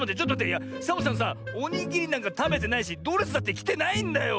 いやサボさんさおにぎりなんかたべてないしドレスだってきてないんだよ！